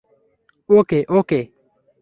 ওকে, ওকে!